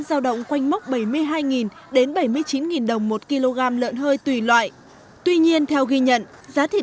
giao động quanh mốc bảy mươi hai đến bảy mươi chín đồng một kg lợn hơi tùy loại tuy nhiên theo ghi nhận giá thịt